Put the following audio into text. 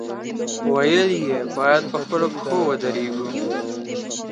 ویل یې، باید په خپلو پښو ودرېږو.